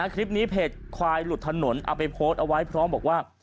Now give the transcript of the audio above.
คลิปนี้เพจควายหลุดถนนเอาไปโพสต์เอาไว้พร้อมบอกว่า